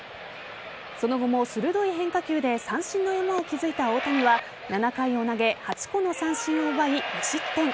その後も鋭い変化球で三振の山を築いた大谷は７回を投げ８個の三振を奪い無失点。